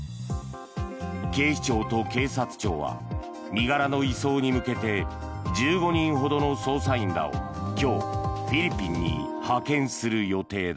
警視庁と警察庁は身柄の移送に向けて１５人ほどの捜査員らを今日フィリピンに派遣する予定だ。